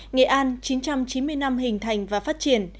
nghệ an chín trăm chín mươi năm hình thành và phát triển